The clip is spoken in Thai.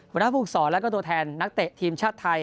บรรทธ์ภูกษอและก็ตัวแทนนักเตะทีมชาติไทย